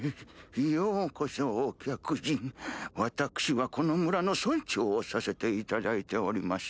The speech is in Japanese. ようこそお客人・私はこの村の村長をさせていただいております。